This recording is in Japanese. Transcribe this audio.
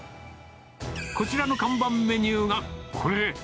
こちらの看板メニューがこれ。